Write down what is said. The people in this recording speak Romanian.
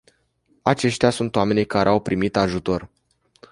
Aceștia sunt oamenii care nu au primit ajutor.